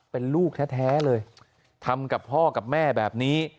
เป็นลูกแท้เลยทำกับพ่อกับแม่แบบนี้